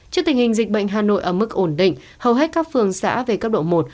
trước tình hình dịch bệnh hà nội ở mức ổn định hầu hết các phường xã về cấp độ một